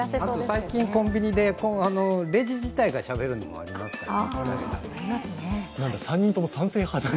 最近コンビニで、レジ自体がしゃべるのもありますからね。